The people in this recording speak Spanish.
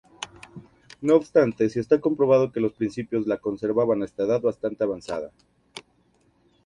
No obstante, si está comprobado que los príncipes la conservaban hasta edad bastante avanzada.